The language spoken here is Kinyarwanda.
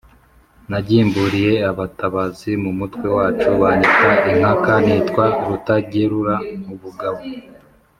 nagimbuliye abatabazi mu mutwe wacu banyita inkaka, nitwa Rutagerura ubugabo